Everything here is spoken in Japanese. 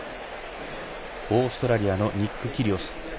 オーストラリアのニック・キリオス。